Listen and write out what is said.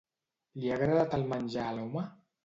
Li ha agradat el menjar a l'home?